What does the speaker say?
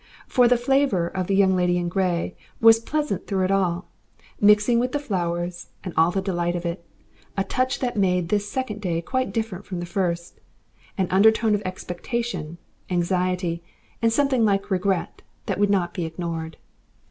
For the flavour of the Young Lady in Grey was present through it all, mixing with the flowers and all the delight of it, a touch that made this second day quite different from the first, an undertone of expectation, anxiety, and something like regret that would not be ignored.